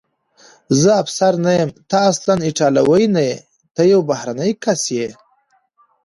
زه افسر نه یم، ته اصلاً ایټالوی نه یې، ته یو بهرنی کس یې.